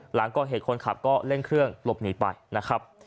หลังก่อเหตุคนขับก็เร่งเครื่องหลบหนีไปนะครับ